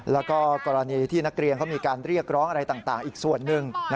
แล้วก็กรณีที่นักเรียนเขามีการเรียกร้องอะไรต่างอีกส่วนหนึ่ง